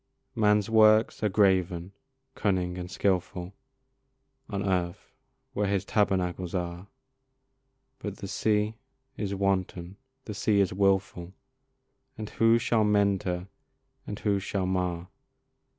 Man's works are graven, cunning, and skilful On earth, where his tabernacles are; But the sea is wanton, the sea is wilful, And who shall mend her and who shall mar?